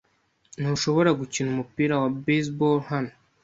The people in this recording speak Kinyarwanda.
Ntushobora gukina umupira wa baseball hano.